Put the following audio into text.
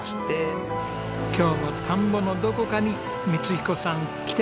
今日も田んぼのどこかに光彦さん来